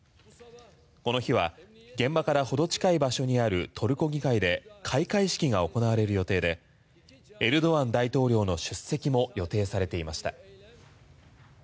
この日は現場からほど近い場所にあるトルコ議会で開会式が行われる予定でエルドアン大統領の出席も予定されていました。